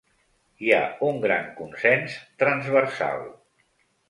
Hi ha un gran consens transversal.